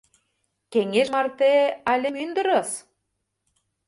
— Кеҥеж марте але мӱндырыс!